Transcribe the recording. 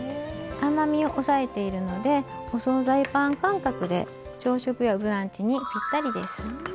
甘みを抑えているのでお総菜感覚で朝食やブランチにぴったりです。